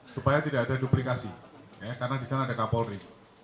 supaya tidak ada duplikasi karena disana ada kapolri